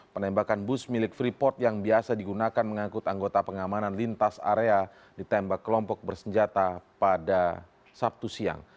penembakan bus milik freeport yang biasa digunakan mengangkut anggota pengamanan lintas area ditembak kelompok bersenjata pada sabtu siang